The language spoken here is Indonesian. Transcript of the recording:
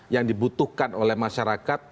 yang dibutuhkan oleh masyarakat